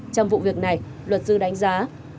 trong vụ việc này luật sư đánh giá